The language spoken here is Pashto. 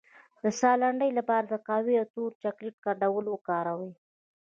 د ساه لنډۍ لپاره د قهوې او تور چاکلیټ ګډول وکاروئ